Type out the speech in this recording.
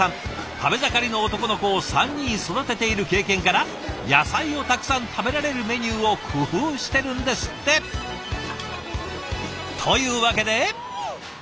食べ盛りの男の子を３人育てている経験から野菜をたくさん食べられるメニューを工夫してるんですって！というわけで。